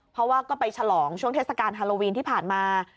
เพราะว่าก็ไปฉลองช่วงเทศกาลฮาโลวีนที่ผ่านมา